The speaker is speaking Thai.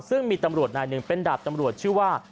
ซึ่งมีตำรวจนายหนึ่งเป็นดาบตำรวจชื่อว่า